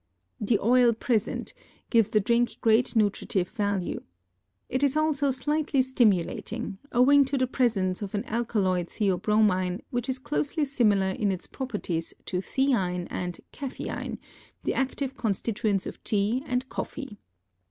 The oil present gives the drink great nutritive value. It is also slightly stimulating, owing to the presence of an alkaloid theobromine which is closely similar in its properties to theine and caffeine, the active constituents of tea and coffee.